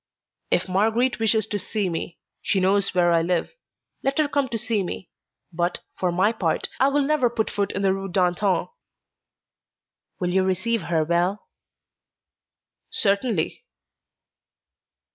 "If Marguerite wishes to see me, she knows where I live; let her come to see me, but, for my part, I will never put foot in the Rue d'Antin." "Will you receive her well?" "Certainly."